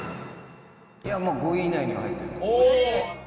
いやもう５位以内には入ってると思う。